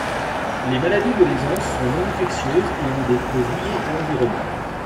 Les maladies de l’aisance sont non-infectieuses et ont des causes liées à l'environnement.